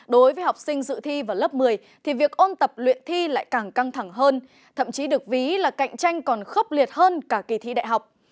đối với học sinh dự thi vào lớp một mươi thì việc ôn tập luyện thi lại càng căng thẳng hơn thậm chí được ví là cạnh tranh còn khốc liệt hơn cả kỳ thi đại học